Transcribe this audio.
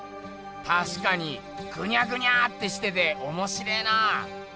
たしかにぐにゃぐにゃってしてておもしれえなあ。